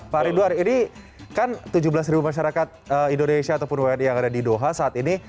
pak ridwan ini kan tujuh belas masyarakat indonesia ataupun wni yang ada di doha saat ini